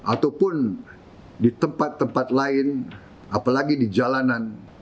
ataupun di tempat tempat lain apalagi di jalanan